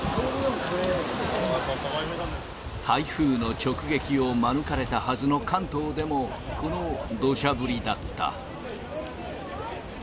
台風の直撃を免れたはずの関東でも、このどしゃ降りだった。